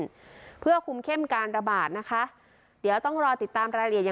ประชาชนมากขึ้นเพื่อคุ้มเข้มการระบาดนะคะเดี๋ยวต้องรอติดตามลาย